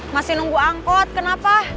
masih nunggu angkot kenapa